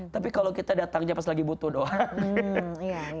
tapi kalau kita datangnya pas lagi butuh doang